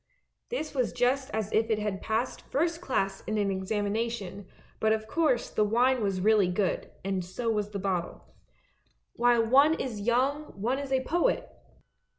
This was just as if it had passed first class in an examination, but of course the wine was really good and so was the bottle. While one is young one is a poet!